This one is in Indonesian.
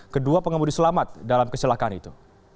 kedua pengemudi selamat dalam kecelakaan itu